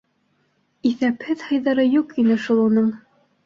Иҫәпһеҙ һыйҙары юҡ ине шул уның.